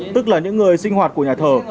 tức là những người sinh hoạt của nhà thờ